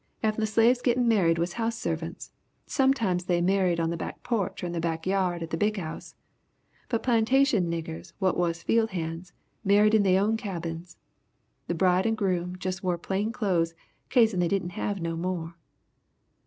Effen the slaves gittin' married was house servants, sometimes they married on the back porch or in the back yard at the big 'ouse but plantation niggers what was field hands married in they own cabins. The bride and groom jus' wore plain clothes kazen they didn' have no more.